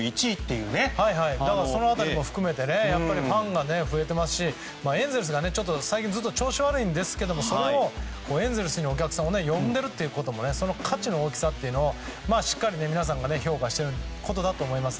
その辺りも含めてファンが増えていますしエンゼルスがちょっと最近ずっと調子が悪いんですがそれでもエンゼルスにお客さんを呼んでいるという価値の大きさというのをしっかり皆さんが評価していることだと思います。